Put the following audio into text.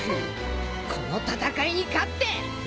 この戦いに勝って。